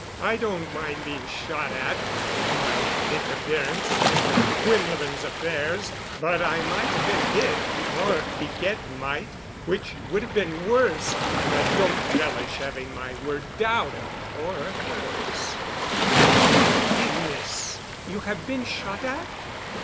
I don't mind being shot at for my interference in Mr. Quinlevin's affairs, but I might have been hit—or Piquette might—which would have been worse, and I don't relish having my word doubted—or hers." "I beg forgiveness. You have been shot at?"